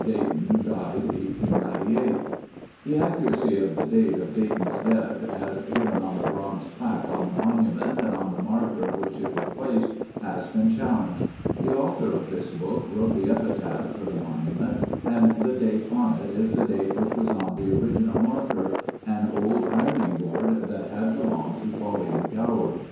Dayton. Died 1898." The accuracy of the date of Dayton's death as given on the bronze plaque on the monument and on the marker which it replaced, has been challenged. The author of this book wrote the epitaph for the monument and the date on it is the date which was on the original marker—an old ironing board that had belonged to Pauline Gower.